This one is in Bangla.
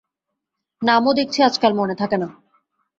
নামও দেখছি আজকাল মনে থাকে না।